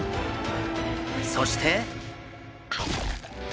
そして。